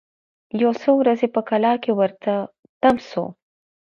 یو څو ورځي په کلا کي ورته تم سو